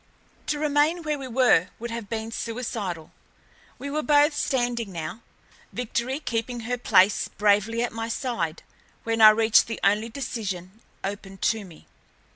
To remain where we were would have been suicidal. We were both standing now, Victory keeping her place bravely at my side, when I reached the only decision open to me.